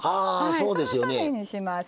そのためにします。